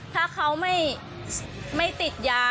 ถ้าเขาไม่ติดยา